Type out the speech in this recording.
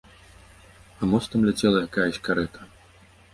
А мостам ляцела якаясь карэта.